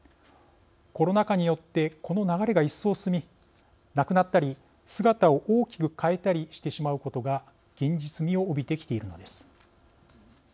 コロナ禍によってこの流れが一層進みなくなったり、姿を大きく変えたりしてしまうことが現実味を帯びてきているのです。